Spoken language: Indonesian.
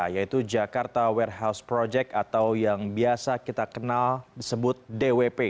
yaitu jakarta warehouse project atau yang biasa kita kenal disebut dwp